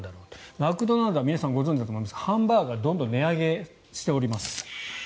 マクドナルドは皆さんご存じだと思いますがハンバーガー、どんどん値上げをしております。